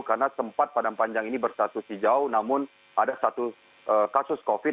karena tempat padang panjang ini berstatus hijau namun ada satu kasus covid